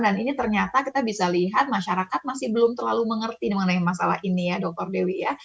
dan ini ternyata kita bisa lihat masyarakat masih belum terlalu mengerti mengenai masalah ini ya dr dewi